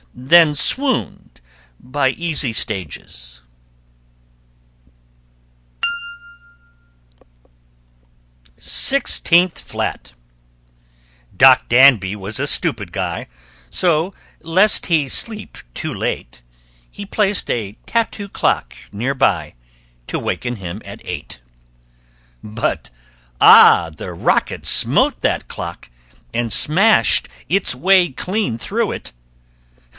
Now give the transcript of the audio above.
Then swooned by easy stages. [Illustration: FIFTEENTH FLAT] SIXTEENTH FLAT Doc Danby was a stupid guy, So, lest he sleep too late, He placed a tattoo clock near by To waken him at eight. But, ah! the rocket smote that clock And smashed its way clean through it!